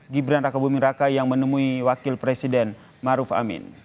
gibran raka buming raka yang menemui wakil presiden maruf amin